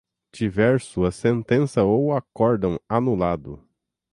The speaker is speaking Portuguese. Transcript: tiver sua sentença ou acórdão anulado